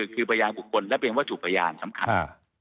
คือประยานของคนและเป็นวัตถุประยานสำคัญนะครับ